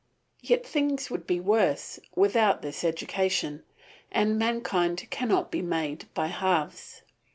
Yet things would be worse without this education, and mankind cannot be made by halves.